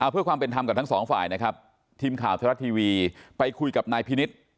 เพื่อความเป็นธรรมกับทั้งสองฝ่ายนะครับทีมข่าวไทยรัฐทีวีไปคุยกับนายพินิษฐ์